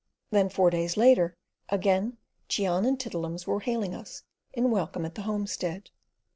Then, four days later, again Cheon and Tiddle'ums were hailing us in welcome at the homestead.